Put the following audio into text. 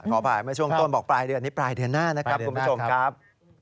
ขออภัยเมื่อช่วงต้นบอกปลายเดือนนี้ปลายเดือนหน้านะครับคุณผู้ชมครับ